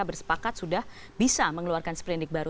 bersepakat sudah bisa mengeluarkan seperindik baru